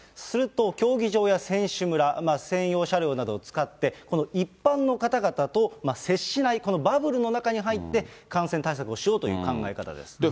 すると、競技場や選手村、専用車両などを使って、この一般の方々と接しない、このバブルの中に入って感染対策をしようという考え方です。